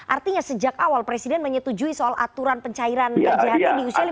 artinya sejak awal presiden menyetujui soal aturan pencairan jht di usia lima puluh